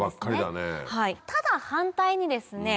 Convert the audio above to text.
ただ反対にですね